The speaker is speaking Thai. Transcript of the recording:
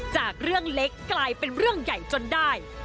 จากเรื่องเล็กกลายเป็นเรื่องใหญ่จนได้